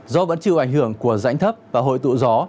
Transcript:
do vẫn chịu ảnh hưởng của rãnh thấp và hội tụ gió